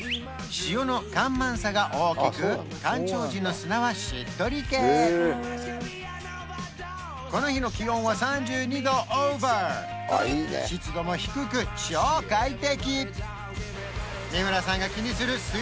潮の干満差が大きく干潮時の砂はしっとり系この日の気温は３２度オーバー湿度も低く超快適！